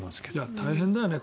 大変だよね。